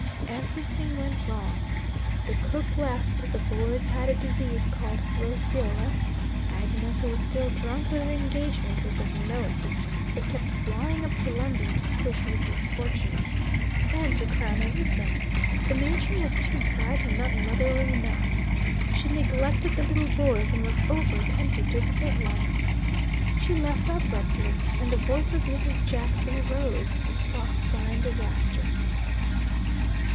Everything went wrong. The cook left; the boys had a disease called roseola; Agnes, who was still drunk with her engagement, was of no assistance, but kept flying up to London to push Rickie's fortunes; and, to crown everything, the matron was too bright and not motherly enough: she neglected the little boys and was overattentive to the big ones. She left abruptly, and the voice of Mrs. Jackson arose, prophesying disaster.